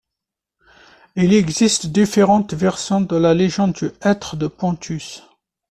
Il existe différentes versions de la légende du hêtre de Ponthus.